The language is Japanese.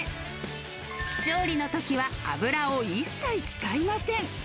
調理のときは、油を一切使いません。